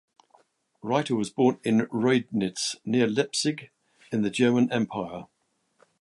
Reiter was born in Reudnitz, near Leipzig in the German Empire.